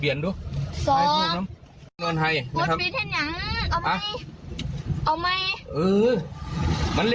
เย็นไหมล่ะ